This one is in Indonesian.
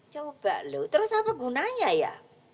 coba loh terus apa gunanya ya